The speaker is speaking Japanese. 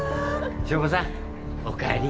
祥子さんお帰り。